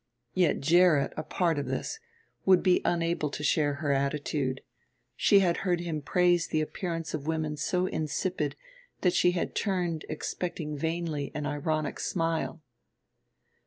Yet Gerrit, a part of this, would be unable to share her attitude; she had heard him praise the appearance of women so insipid that she had turned expecting vainly an ironic smile.